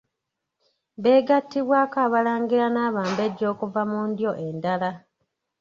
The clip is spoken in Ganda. Beegattibwako abalangira n’abambejja okuva mu ndyo endala.